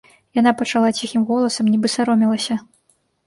Яна пачала ціхім голасам, нібы саромелася.